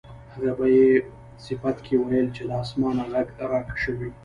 هغه به یې په صفت کې ویل چې له اسمانه غږ راکشوي.